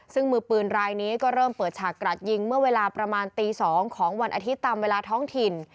ซึ่งมือปืนรายนี้ก็เริ่มเปิดฉากกระดยิงเมื่อเวลาประมาณตี๒ของวันอาทิตย์ตามเวลาท้องถิ่น